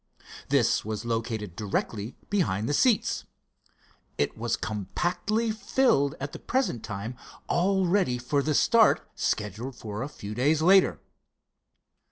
This was located directly behind the seats. It was compactly filled at the present time, all ready for the start scheduled for a few days later.